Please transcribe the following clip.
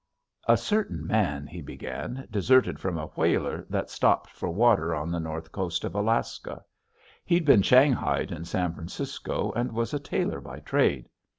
"A certain man," he began, "deserted from a whaler that stopped for water on the north coast of Alaska. He'd been shanghaied in San Francisco and was a tailor by trade.